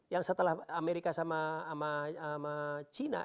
yang setelah amerika sama china